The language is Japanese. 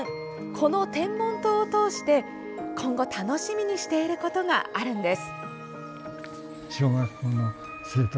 この天文棟を通して今後、楽しみにしていることがあるんです。